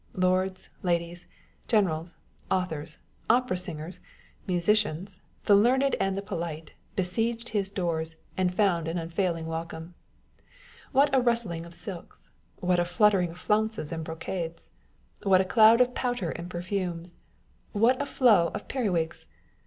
Lords, ladies, generals, authors, opera singers, musicians, the learned and the polite, besieged his doors,' and found an unfailing welcome. What a rustling of silks ! What a fluttering of flounces and brocades ! What a cloud of powder and perfumes ! What a flow of peri wigs